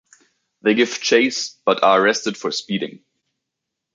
They give chase but are arrested for speeding.